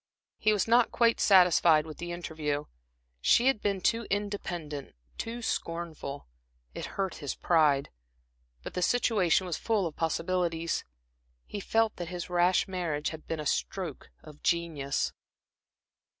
He was not quite satisfied with the interview; she had been too independent, too scornful. It hurt his pride. But the situation was full of possibilities. He felt that his rash marriage had been a stroke of genius.